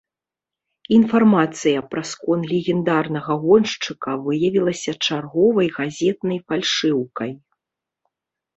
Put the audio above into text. Інфармацыя пра скон легендарнага гоншчыка выявілася чарговай газетнай фальшыўкай.